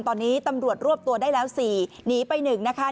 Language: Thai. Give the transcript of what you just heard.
ตอนนี้ตำรวจรวบตัวได้แล้ว๔หนีไป๑นะคะ